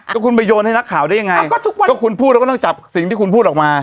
ก็คุณไปโยนให้นักข่าวได้ยังไงก็ทุกวันก็คุณพูดแล้วก็ต้องจับสิ่งที่คุณพูดออกมา